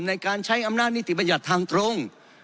ในการใช้อำนาจนิติประหยัดทางตรง